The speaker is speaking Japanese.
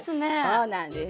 そうなんです。